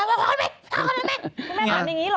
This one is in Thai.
คุณแม่อ่านอย่างนี้หรือ